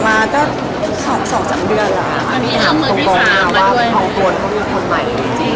ในส่วนของชิปกลับเที่ยวเหมือนกัน